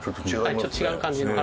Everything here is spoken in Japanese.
ちょっと違う感じの。